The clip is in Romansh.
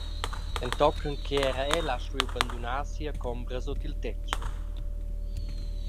Entochen che era el ha stuiu bandunar sia combra sut il tetg.